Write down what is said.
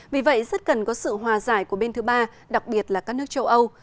vì vậy rất cần có sự hòa giải của bên thứ ba đặc biệt là các nước châu âu